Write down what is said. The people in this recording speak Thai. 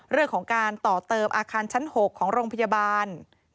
เรื่องของการต่อเติมอาคารชั้น๖ของโรงพยาบาล